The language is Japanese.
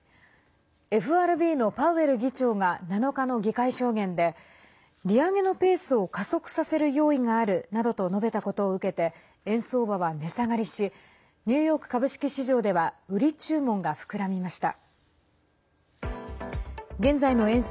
ＦＲＢのパウエル議長が７日の議会証言で利上げのペースを加速させる用意があるなどと述べたことを受けて円相場は値下がりしニューヨーク株式市場では売り注文が膨らみました。